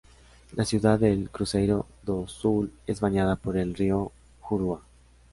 La ciudad de Cruzeiro do Sul es bañada por el Río Juruá.